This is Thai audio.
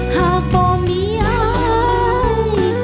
หากบ่มียัง